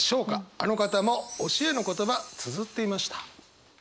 あの方も推しへの言葉つづっていました。